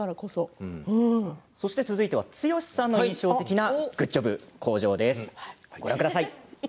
続いて剛さんの印象的なグッジョブ工場です。